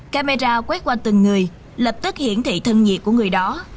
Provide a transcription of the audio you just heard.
camera quét qua từng người lập tức hiển thị thân nhiệt của người đó